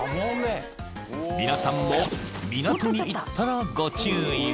［皆さんも港に行ったらご注意を］